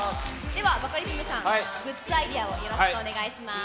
では、バカリズムさん、グッズアイデアをお願いいたします。